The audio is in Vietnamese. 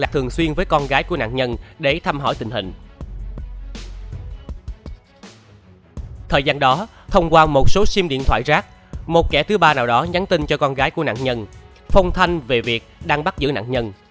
thời gian đó thông qua một số sim điện thoại rác một kẻ thứ ba nào đó nhắn tin cho con gái của nạn nhân phong thanh về việc đang bắt giữ nạn nhân